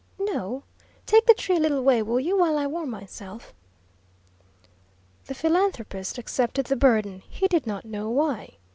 "No. Take the tree a little way, will you, while I warm myself?" The philanthropist accepted the burden he did not know why.